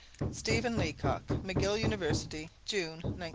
Stephen Leacock. McGill University, June, 1912.